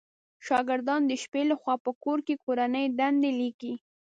شاګردان د شپې لخوا په کور کې کورنۍ دنده ليکئ